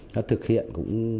đã thực hiện cũng